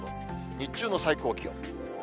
日中の最高気温。